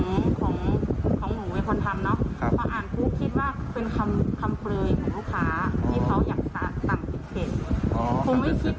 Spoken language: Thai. ผมไม่คิดว่ามันจะ๑๐๐๐เมตรขนาดนั้น